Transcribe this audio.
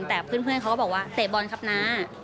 แต่เพื่อนเขาก็บอกว่าเตะบอลครับน้า